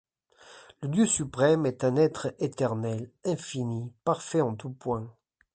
Le Dieu suprême est un Être éternel, infini, parfait en tout point.